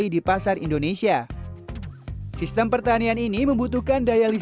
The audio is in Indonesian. kita bisa memprediksikannya